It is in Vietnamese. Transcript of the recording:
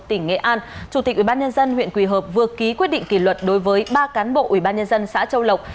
tỉnh nghệ an chủ tịch ubnd huyện quỳ hợp vừa ký quyết định kỷ luật đối với ba cán bộ ubnd xã châu lộc